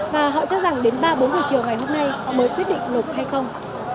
và họ cho rằng đến ba bốn giờ chiều ngày hôm nay mới quyết định nộp hay không